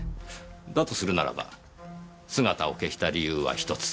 だとするならば姿を消した理由は１つ。